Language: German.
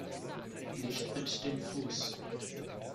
Nicht mit dem Fuß!